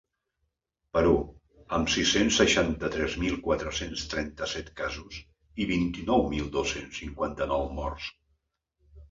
Perú, amb sis-cents seixanta-tres mil quatre-cents trenta-set casos i vint-i-nou mil dos-cents cinquanta-nou morts.